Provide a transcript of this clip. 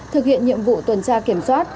thực hiện nhiệm vụ tuần tra kiểm soát